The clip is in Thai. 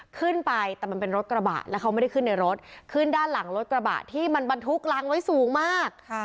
ขึ้นไปแต่มันเป็นรถกระบะแล้วเขาไม่ได้ขึ้นในรถขึ้นด้านหลังรถกระบะที่มันบรรทุกรังไว้สูงมาก